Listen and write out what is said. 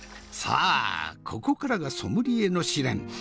さあここからがソムリエの試練。